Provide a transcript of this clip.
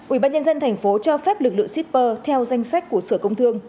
ủy ban nhân dân thành phố cho phép lực lượng shipper theo danh sách của sở công thương